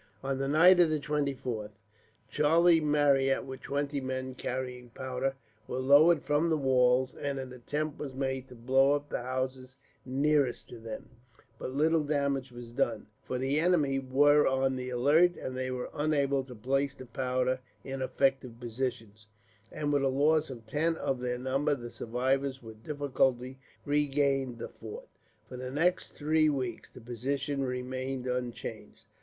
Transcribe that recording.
On the night of the 24th, Charlie Marryat, with twenty men carrying powder, was lowered from the walls; and an attempt was made to blow up the houses nearest to them; but little damage was done, for the enemy were on the alert, and they were unable to place the powder in effective positions, and with a loss of ten of their number the survivors with difficulty regained the fort. For the next three weeks the position remained unchanged.